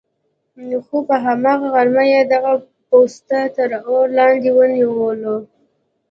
خو په هماغه غرمه یې دغه پوسته تر اور لاندې ونه نیوله.